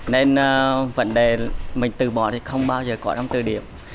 nên vấn đề mình từ bỏ thì không bao giờ có trong từ điểm